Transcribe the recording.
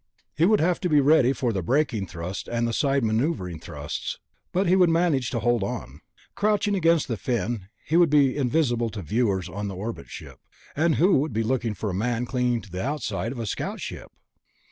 He would have to be ready for the braking thrust and the side maneuvering thrusts, but he would manage to hold on. Crouching against the fin, he would be invisible to viewers on the orbit ship ... and who would be looking for a man clinging to the outside of a scout ship?